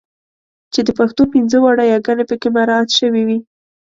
چې د پښتو پنځه واړه یګانې پکې مراعات شوې وي.